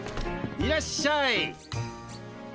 いらっしゃい。